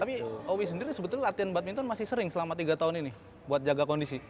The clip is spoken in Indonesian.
tapi owi sendiri sebetulnya latihan badminton masih sering selama tiga tahun ini buat jaga kondisi